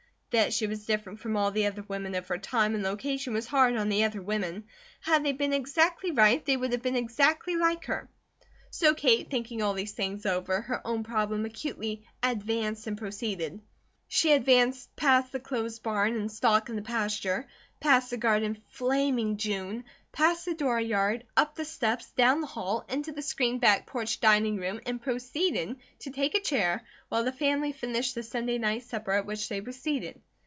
That she was different from all the other women of her time and location was hard on the other women. Had they been exactly right, they would have been exactly like her. So Kate, thinking all these things over, her own problem acutely "advanced and proceeded." She advanced past the closed barn, and stock in the pasture, past the garden flaming June, past the dooryard, up the steps, down the hall, into the screened back porch dining room and "proceeded" to take a chair, while the family finished the Sunday night supper, at which they were seated.